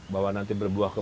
bahwa nanti berbuah ke